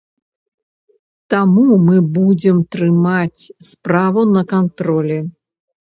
Таму мы будзе трымаць справу на кантролі.